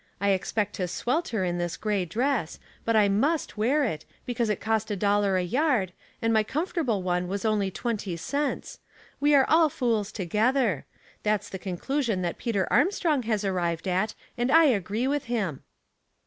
I expect to swelter in this gray dress ; but I must wear it, because it cost a dollar a yard, and my comfortable one was only twenty cents. We are all fools together. That's the conclusion that Peter Armstrong has arrived at, and I agree with him."